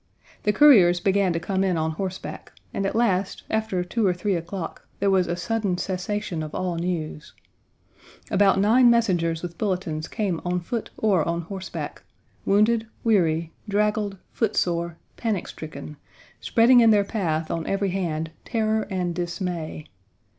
The couriers began to come in on horseback, and at last, after two or three o'clock, there was a sudden cessation of all news, About nine messengers with bulletins came on foot or on horseback wounded, weary, draggled, footsore, panic stricken spreading in their path on every hand terror and dismay.